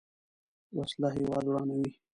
وسله هیواد ورانوي